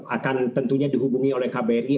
akan tentunya dihubungi oleh kbri